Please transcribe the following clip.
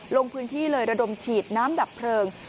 ลงพื้นที่เลยระดมฉีดน้ำดับเพลิง